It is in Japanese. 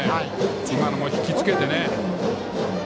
今のも引き付けてね。